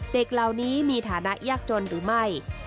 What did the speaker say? เด็กเหล่านี้มีฐานะยากจนหรือไม่